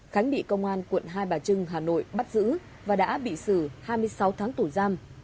khánh bị công an quận hai bà trưng hà nội bắt giữ và đã bị xử hai mươi sáu tháng tù giam